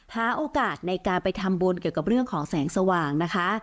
หาโอกาสในการไปทำบุญเกี่ยวกับเรื่องของแสงสว่างนะคะ